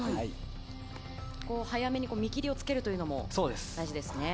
早めに見切りをつけるのも大事ですね。